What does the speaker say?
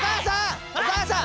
お母さん！